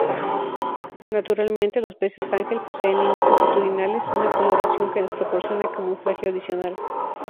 Naturalmente los peces ángel poseen líneas longitudinales, una coloración que les proporciona camuflaje adicional.